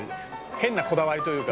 「変なこだわりというか」